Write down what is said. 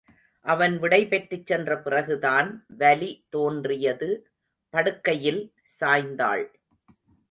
அவன் விடைபெற்றுச் சென்ற பிறகுதான் வலி தோன்றியது படுக்கையில் சாய்ந்தாள்.